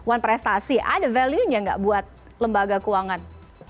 one prestasi ada value nya nggak buat lembaga keuangan